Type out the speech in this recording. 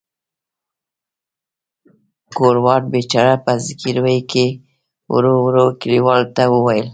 ګوروان بیچاره په زګیروي کې ورو ورو کلیوالو ته وویل.